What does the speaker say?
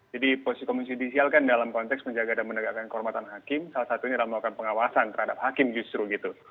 jadi posisi komunis yudisial kan dalam konteks menjaga dan menegakkan kehormatan hakim salah satunya dalam melakukan pengawasan terhadap hakim justru gitu